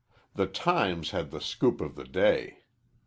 The "Times" had the scoop of the day.